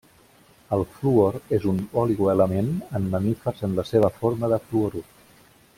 El fluor és un oligoelement en mamífers en la seva forma de fluorur.